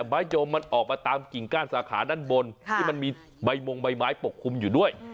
ไม้ยมมันออกมาตามกิ่งก้านสาขาด้านบนที่มันมีใบมงใบไม้ปกคลุมอยู่ด้วย